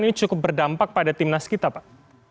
ini cukup berdampak pada timnas kita pak